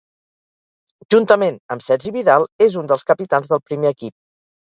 Juntament amb Sergi Vidal, és un dels capitans del primer equip.